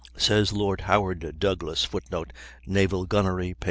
Says Lord Howard Douglass: [Footnote: "Naval Gunnery," p.